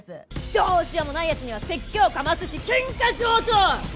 どうしようもない奴には説教かますし喧嘩上等！